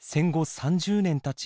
３０年たち